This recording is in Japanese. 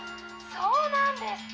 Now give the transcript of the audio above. そうなんですか。